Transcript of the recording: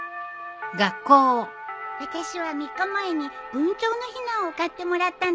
私は３日前にブンチョウのひなを買ってもらったの。